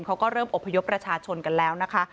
เขาก็เริ่มอบพยพประชาชนกันแล้วนะคะ